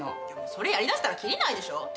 でもそれやりだしたら切りないでしょ！